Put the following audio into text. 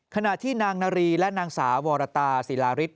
ขณะที่นางนารีและนางสาววรตาศิลาริส